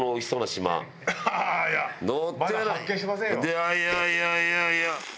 いやいやいやいや！